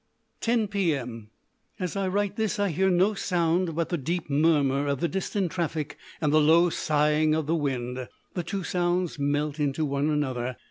10 p.m. As I write this I hear no sound but the deep murmur of the distant traffic and the low sighing of the wind. The two sounds melt into one another.